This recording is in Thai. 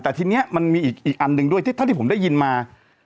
แต่ทีนี้มันมีอีกอันหนึ่งด้วยที่เท่าที่ผมได้ยินมา